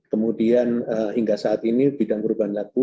kemudian hingga saat ini bidang perubahan laku